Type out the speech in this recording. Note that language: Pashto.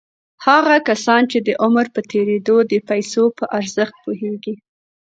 هغه کسان چې د عمر په تېرېدو د پيسو په ارزښت پوهېږي.